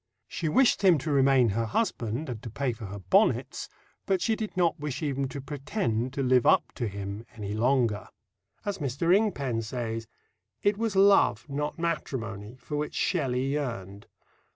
She wished him to remain her husband and to pay for her bonnets, but she did not wish even to pretend to "live up to him" any longer. As Mr. Ingpen says, "it was love, not matrimony," for which Shelley yearned.